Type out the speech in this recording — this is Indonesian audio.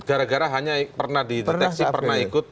gara gara hanya pernah dideteksi pernah ikut